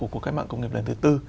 của cái mạng công nghiệp lần thứ tư